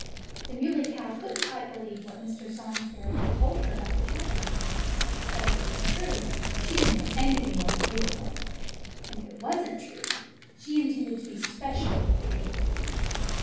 The Muley Cow couldn't quite believe what Mr. Song Sparrow had told her about the cowbirds. But if it was true, she didn't want anything more to do with them. And if it wasn't true, she intended to be specially agreeable to them.